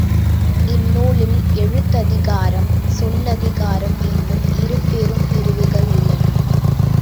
இந்நூலில் எழுத்ததிகாரம், சொல்லதிகாரம் என்னும் இரு பெரும் பிரிவுகள் உள்ளன.